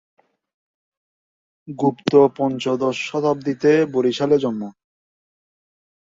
গুপ্ত পঞ্চদশ শতাব্দীতে বরিশালে জন্ম।